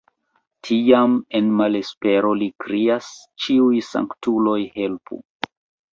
Tiam en malespero li krias: Ĉiuj sanktuloj helpu!